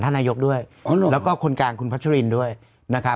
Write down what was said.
พี่โมดรู้สึกไหมพี่โมดรู้สึกไหมพี่โมดรู้สึกไหม